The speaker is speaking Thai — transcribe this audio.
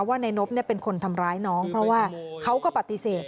ว่านายนบเป็นคนทำร้ายน้องเพราะว่าเขาก็ปฏิเสธ